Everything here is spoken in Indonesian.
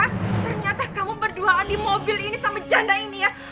karena ternyata kamu berduaan di mobil ini sama janda ini ya